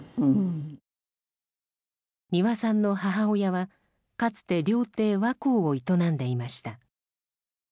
丹羽さんの母親はかつて料亭「和光」を営んでいました。